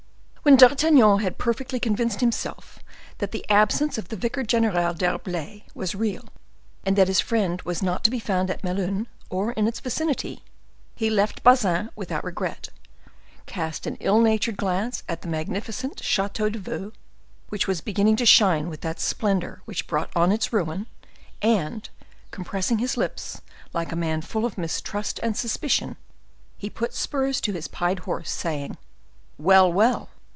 When D'Artagnan had perfectly convinced himself that the absence of the Vicar General d'Herblay was real, and that his friend was not to be found at Melun or in its vicinity, he left Bazin without regret, cast an ill natured glance at the magnificent Chateau de Vaux, which was beginning to shine with that splendor which brought on its ruin, and, compressing his lips like a man full of mistrust and suspicion, he put spurs to his pied horse, saying, "Well, well!